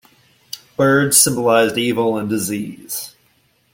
Birds symbolized evil and disease.